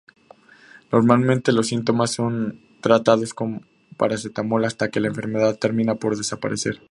Normalmente, los síntomas son tratados con paracetamol hasta que la enfermedad termina por desaparecer.